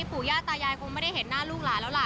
ปู่ย่าตายายคงไม่ได้เห็นหน้าลูกหลานแล้วล่ะ